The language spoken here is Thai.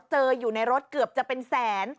เจออยู่ในรถเกือบจะเป็นแสน